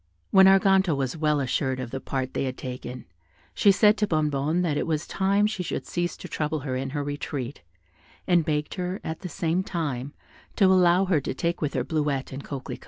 When Arganto was well assured of the part they had taken, she said to Bonnebonne that it was time she should cease to trouble her in her retreat, and begged her, at the same time, to allow her to take with her Bleuette and Coquelicot.